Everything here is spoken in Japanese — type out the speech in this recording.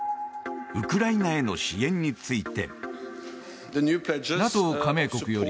ウクライナへの支援について。